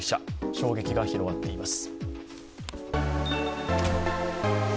衝撃が広がっています。